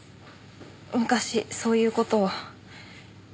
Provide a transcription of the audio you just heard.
昔そういう事を。